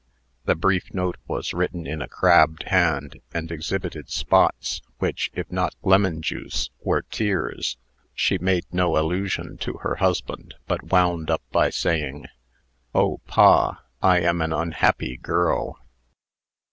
The brief note was written in a crabbed hand, and exhibited spots, which, if not lemon juice, were tears. She made no allusion to her husband, but wound up by saying, "Oh, pa! I am an unhappy girl!"